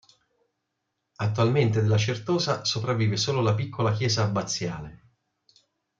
Attualmente della certosa sopravvive solo la piccola chiesa abbaziale.